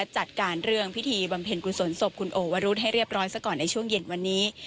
จัดการเรื่องพิธีบำเพ็ญกุศลศพคุณโอวรุธให้เรียบร้อยซะก่อนในช่วงเย็นวันนี้